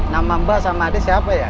nama mbak sama adik siapa ya